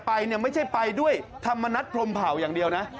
ไปเนี่ยไม่ใช่ไปด้วยธรรมนัฐพรมเผาอย่างเดียวนะ